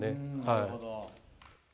なるほど。